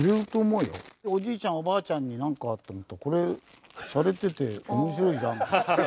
おじいちゃんおばあちゃんになんかって思ったらこれしゃれてて面白いじゃんみたいな。